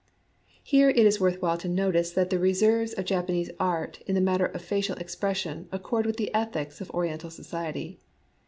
Here it is worth while to notice that the reserves of Japanese art in the matter of facial expression accord with the ethics of Oriental society.